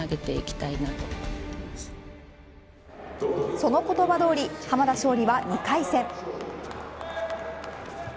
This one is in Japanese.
その言葉どおり濱田尚里は２回戦。